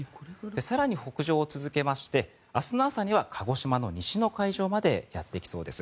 更に北上を続けまして明日の朝には鹿児島の西の海上までやってきそうです。